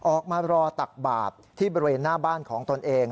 ออกมารอตักบาปที่บริเวณหน้าบ้านของตนเอง